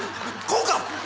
こうか！